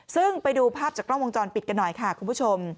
ซึ่งไปดูภาพจากกล้องวงจรปิดกันหน่อยค่ะคุณผู้ชม